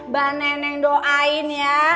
pak neneng doain ya